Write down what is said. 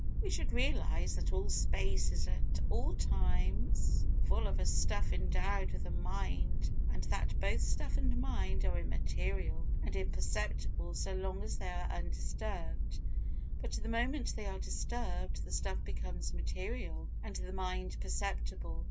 We should realise that all space is at all times full of a stuff endowed with a mind and that both stuff and mind are immaterial and imperceptible so long as they are undisturbed, but the moment they are disturbed the stuff becomes material and the mind perceptible.